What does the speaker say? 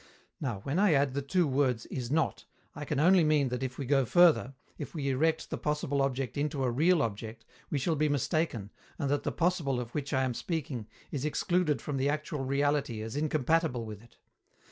Now, when I add the two words "is not," I can only mean that if we go further, if we erect the possible object into a real object, we shall be mistaken, and that the possible of which I am speaking is excluded from the actual reality as incompatible with it.